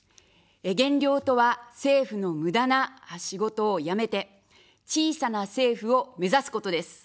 減量とは、政府の無駄な仕事をやめて、小さな政府を目指すことです。